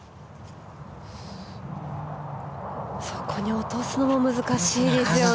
そこに落とすのも難しいですよね。